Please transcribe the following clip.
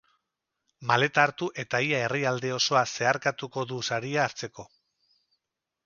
Maleta hartu eta ia herrialde osoa zeharkatuko du saria hartzeko.